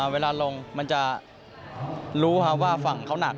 เวลาลงมันจะรู้ว่าฝั่งเขาหนัก